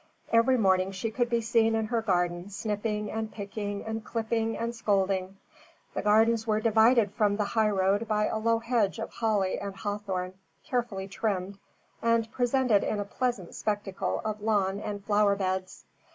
Every morning she could be seen in her garden snipping and picking and clipping and scolding. The gardens were divided from the highroad by a low hedge of holly and hawthorn, carefully trimmed, and presented a pleasant spectacle of lawn and flower beds.